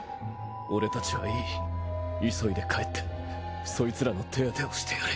俺たちはいい急いで帰ってソイツらの手当てをしてやれ。